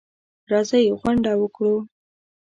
راځئ غونډه وکړو.